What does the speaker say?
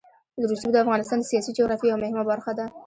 رسوب د افغانستان د سیاسي جغرافیه یوه مهمه برخه ده.